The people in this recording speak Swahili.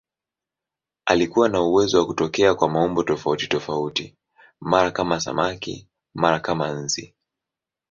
Alikuwa na uwezo wa kutokea kwa maumbo tofautitofauti, mara kama samaki, mara kama nzi.